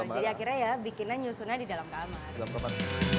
jadi akhirnya ya bikinnya nyusunnya di dalam kamar